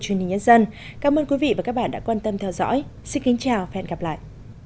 truyền hình nhân dân cảm ơn quý vị và các bạn đã quan tâm theo dõi xin kính chào và hẹn gặp lại